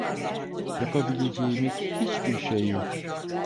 Yapabileceğimiz hiçbir şey yok.